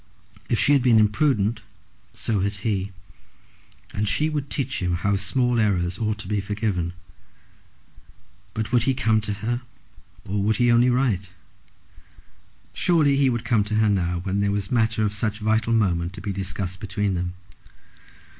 If she had been imprudent, so had he; and she would teach him how small errors ought to be forgiven. But would he come to her, or would he only write? Surely he would come to her now when there was matter of such vital moment to be discussed between them!